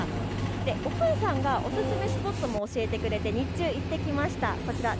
お母さんがおすすめスポットも教えてくれて日中行ってきました。